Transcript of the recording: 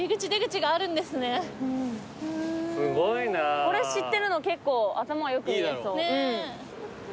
これ知ってるの結構頭良く見えそう。